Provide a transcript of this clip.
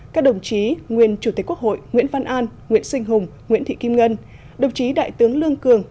các đồng chí nguyên chủ tịch quốc hội nguyễn văn an nguyễn sinh hùng nguyễn thị kim ngân đồng chí đại tướng lương cường